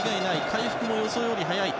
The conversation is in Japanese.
回復も予想より早い。